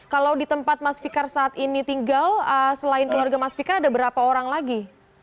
kalau di tempat mas fikar saat ini tinggal selain keluarga mas fikar ada berapa orang lagi